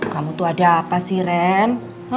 kamu tuh ada apa sih ren